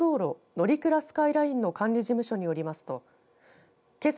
乗鞍スカイラインの管理事務所によりますとけさ